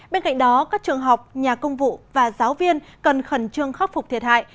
bên cạnh đó các trường học nhà công vụ và giáo viên cần khẩn trương khắc phục thiệt hại